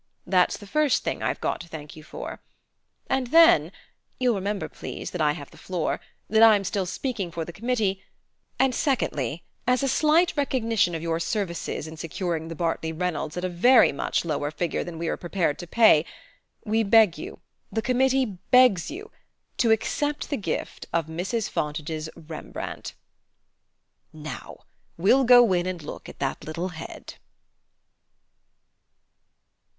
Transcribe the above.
That's the first thing I've got to thank you for. And then you'll remember, please, that I have the floor that I'm still speaking for the committee and secondly, as a slight recognition of your services in securing the Bartley Reynolds at a very much lower figure than we were prepared to pay, we beg you the committee begs you to accept the gift of Mrs. Fontage's Rembrandt. Now we'll go in and look at that little head...."